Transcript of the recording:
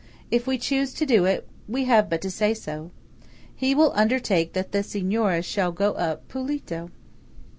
If we choose to do it, we have but to say so. He will undertake that the Signoras shall go up "pulito."